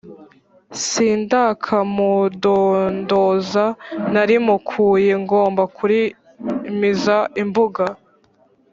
Sindakamudondoza, nalimukuye ngomba kulimiza imbuga,